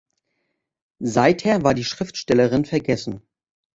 Seither war die Schriftstellerin vergessen.